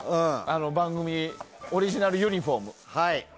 番組オリジナルユニホーム。